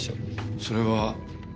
それは。